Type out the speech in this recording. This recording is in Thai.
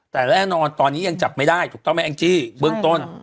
แต่แน่นอนตอนนี้ยังจับไม่ได้ถูกต้องไหมแองจี้เบื้องต้น